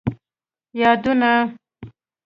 یادونه